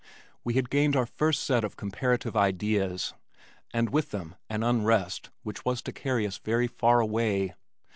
We had gained our first set of comparative ideas, and with them an unrest which was to carry us very far away.